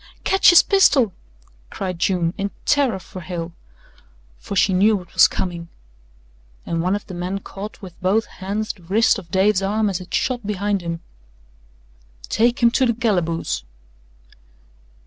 "Ketch his pistol," cried June, in terror for Hale for she knew what was coming, and one of the men caught with both hands the wrist of Dave's arm as it shot behind him. "Take him to the calaboose!"